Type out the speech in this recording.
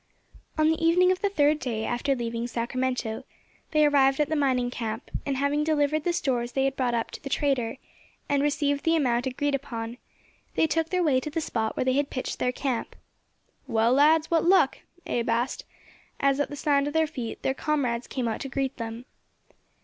On the evening of the third day after leaving Sacramento they arrived at the mining camp, and having delivered the stores they had brought up to the trader, and received the amount agreed upon, they took their way to the spot where they had pitched their camp. "Well, lads, what luck?" Abe asked, as at the sound of their feet their comrades came out to greet them.